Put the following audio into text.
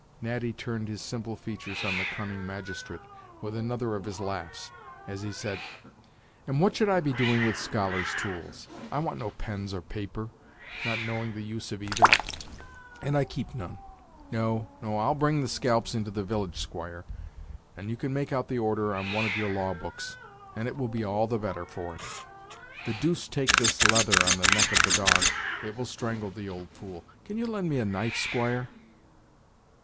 Natty turned his simple features on the cunning magistrate with another of his laughs, as he said: "And what should I be doing with scholars' tools? I want no pens or paper, not knowing the use of either; and I keep none. No, no, I'll bring the scalps into the village, squire, and you can make out the order on one of your law books, and it will be all the better for it. The deuce take this leather on the neck of the dog, it will strangle the old fool. Can you lend me a knife, squire?"